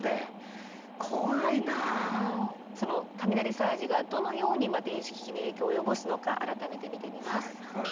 その雷サージがどのように電子機器に影響を及ぼすのか改めて見てみます。